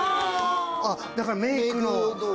だからメイクの。